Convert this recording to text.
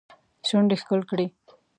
شونډې ښکل کړي